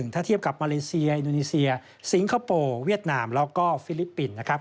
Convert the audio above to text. ถ้าเทียบกับมาเลเซียอินโดนีเซียสิงคโปร์เวียดนามแล้วก็ฟิลิปปินส์นะครับ